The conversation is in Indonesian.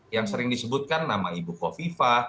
yang sering disebutkan nama ibu kofifa